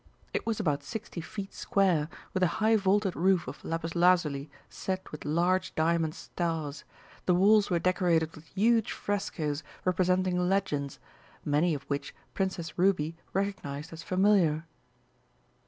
It was about sixty feet square, with a high vaulted roof of lapis lazuli set with large diamond stars; the walls were decorated with huge frescoes representing legends, many of which Princess Ruby recognised as familiar.